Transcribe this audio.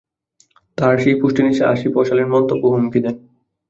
তাঁর সেই পোস্টের নিচে আসিফ অশালীন মন্তব্য ও হুমকি দেন।